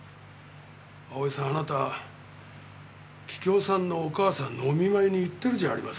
葵さんあなた桔梗さんのお母さんのお見舞いに行ってるじゃありませんか。